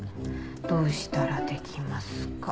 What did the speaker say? どうしたらできますか？」。